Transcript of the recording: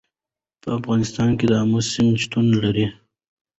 په افغانستان کې د آمو سیند شتون لري.